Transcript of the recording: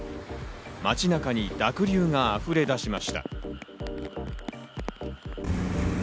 街中に濁流があふれ出しました。